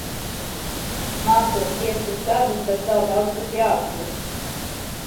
Mācos piecus gadus, bet vēl daudz kas jāapgūst.